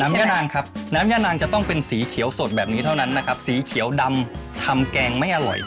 ย่านางครับน้ำย่านางจะต้องเป็นสีเขียวสดแบบนี้เท่านั้นนะครับสีเขียวดำทำแกงไม่อร่อย